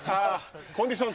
コンディション